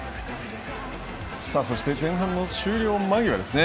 そして前半の終了間際。